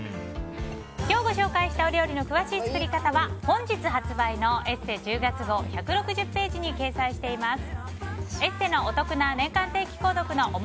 今日ご紹介したお料理の詳しい作り方は本日発売の「ＥＳＳＥ」１０月号１６０ページに掲載しています。